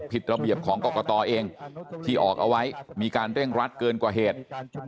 ระเบียบของกรกตเองที่ออกเอาไว้มีการเร่งรัดเกินกว่าเหตุ